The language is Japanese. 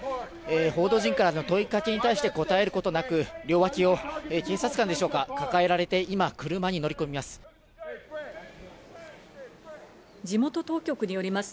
報道陣からの問いかけに対して答えることなく、両脇を警察官でしょうか、抱えられて今、車に乗り込みます。